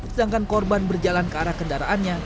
sedangkan korban berjalan ke arah kendaraannya